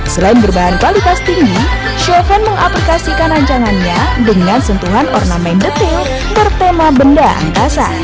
selain berbahan kualitas tinggi chauvin mengaprikasikan ranjangannya dengan sentuhan ornamen detail bertema benda angkasa